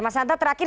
mas hatta terakhir